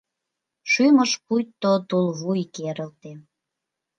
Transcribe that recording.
Шӱмыш пуйто тулвуй керылте.